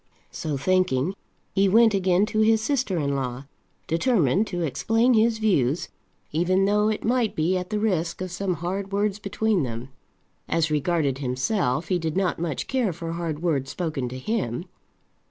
So thinking, he went again to his sister in law, determined to explain his views, even though it might be at the risk of some hard words between them. As regarded himself, he did not much care for hard words spoken to him.